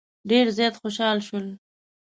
ډېر زیات خوشال شول.